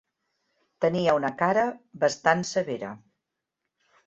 Tenia una cara bastant severa.